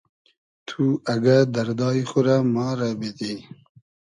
تو اگۂ دئردای خو رۂ ما رۂ بیدی